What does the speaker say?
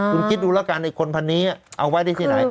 คุณคิดดูแล้วกันไอ้คนพันนี้เอาไว้ได้ที่ไหน